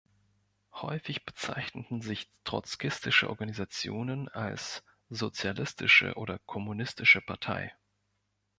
Häufig bezeichnen sich trotzkistische Organisationen als sozialistische oder kommunistische Partei.